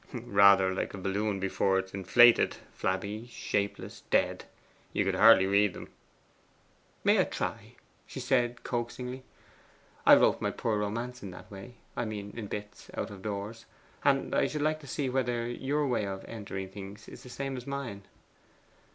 'Rather like a balloon before it is inflated: flabby, shapeless, dead. You could hardly read them.' 'May I try?' she said coaxingly. 'I wrote my poor romance in that way I mean in bits, out of doors and I should like to see whether your way of entering things is the same as mine.